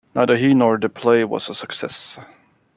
Neither he nor the play was a success.